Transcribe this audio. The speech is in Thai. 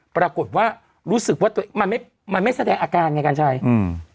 ปรากฏว่ารู้สึกว่าตัวเองมันไม่มันไม่แสดงอาการไงกัญชัยอืม